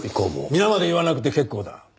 皆まで言わなくて結構だ。